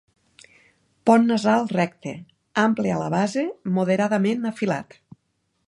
Pont nasal recte, ample a la base, moderadament afilat.